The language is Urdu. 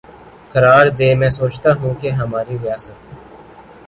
قرار دے میںسوچتاہوں کہ ہماری ریاست